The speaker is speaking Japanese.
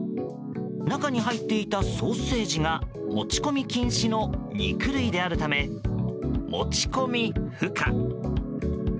中に入っていたソーセージが持ち込み禁止の肉類であるため持ち込み不可。